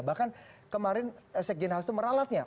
bahkan kemarin sekjen hasto meralatnya